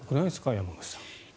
山口さん。